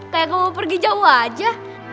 kayak kamu pergi jauh aja